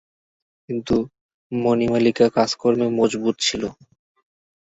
কিন্তু মণিমালিকা কাজকর্মে মজবুত ছিল।